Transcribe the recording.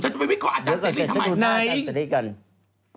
ฉันจะไปวิเคราะห์อาจารย์เสรีนงั้นไง